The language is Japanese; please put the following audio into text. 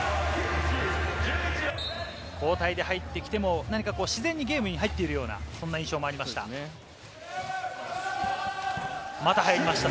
交代で入ってきても何か自然にゲームに入っているような印象もありました。